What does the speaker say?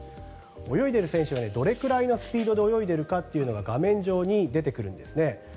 泳いでる選手がどれぐらいのスピードで泳いでいるか画面上に出てくるんですね。